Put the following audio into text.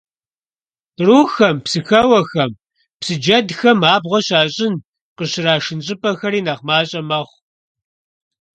Кърухэм, псыхэуэхэм, псы джэдхэм абгъуэ щащӀын, къыщрашын щӀыпӀэхэри нэхъ мащӀэ мэхъу.